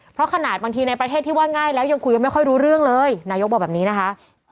เพราะขนาดบางทีในประเทศที่ว่าง่ายแล้วยังคุยกันไม่ค่อยรู้เรื่องเลยนายกบอกแบบนี้นะคะ